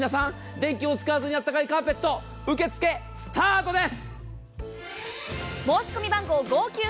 電気を使わずにあったかいカーペット受け付けスタートです！